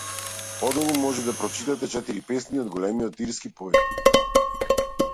Подолу може да прочитате четири песни од големиот ирски поет.